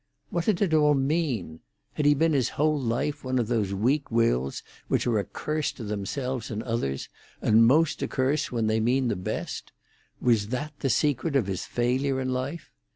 What did it all mean? Had he been his whole life one of these weak wills which are a curse to themselves and others, and most a curse when they mean the best? Was that the secret of his failure in life?